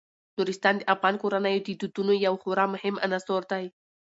نورستان د افغان کورنیو د دودونو یو خورا مهم عنصر دی.